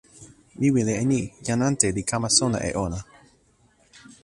mi wile e ni: jan ante li kama sona e ona.